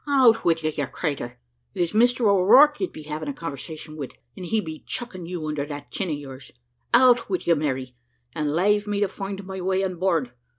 "Out wid you, you cratur, it is Mr O'Rourke you'd be having a conversation wid, and he be chucking you under that chin of yours. Out wid you, Mary, and lave me to find my way on board.